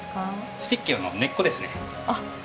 スティッキオの根っこですね。